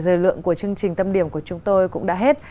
thời lượng của chương trình tâm điểm của chúng tôi cũng đã hết